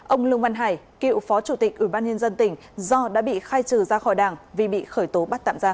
ông lương văn hải cựu phó chủ tịch ủy ban nhân dân tỉnh do đã bị khai trừ ra khỏi đảng vì bị khởi tố bắt tạm giam